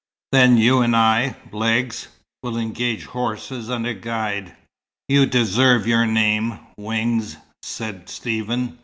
Then you and I, Legs, will engage horses and a guide." "You deserve your name, Wings," said Stephen.